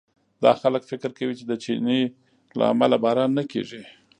دا خلک فکر کوي چې د چیني له امله باران نه کېږي.